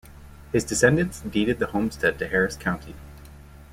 His descendants deeded the homestead to Harris County.